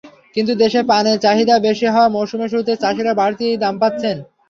কিন্তু দেশে পানে চাহিদা বেশি হওয়ায় মৌসুমের শুরুতে চাষিরা বাড়তি দাম পাচ্ছেন।